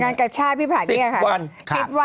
งานกาชาติพี่ผ่านเนี่ยครับ๑๐วัน